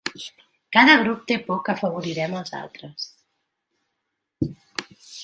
Cada grup té por que afavorirem els altres.